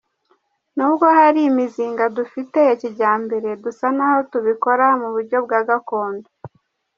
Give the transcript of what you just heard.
Nubwo hari imizinga dufite ya kijyambere, dusa naho tubikora mu buryo bwa gakondo.